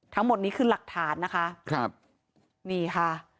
ทั้งหมดนี้คือหลักฐานนะคะครับนี่ค่ะ